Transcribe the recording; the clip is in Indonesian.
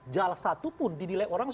jal satu pun didilai orang sepuluh